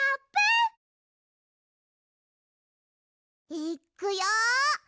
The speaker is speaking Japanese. いっくよ！